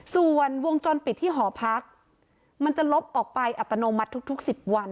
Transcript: ส่วนวงจรปิดที่หอพักมันจะลบออกไปอัตโนมัติทุก๑๐วัน